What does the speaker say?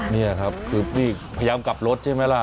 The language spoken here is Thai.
นี่ครับคือพี่พยายามกลับรถใช่ไหมล่ะ